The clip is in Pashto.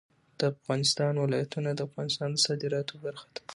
د افغانستان ولايتونه د افغانستان د صادراتو برخه ده.